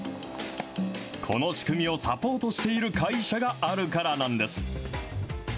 この仕組みをサポートしている会社があるからなんです。